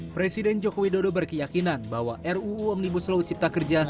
presiden joko widodo berkeyakinan bahwa ruu omnibus law cipta kerja